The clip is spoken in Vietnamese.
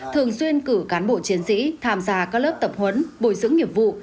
thường xuyên cử cán bộ chiến sĩ tham gia các lớp tập huấn bồi dưỡng nghiệp vụ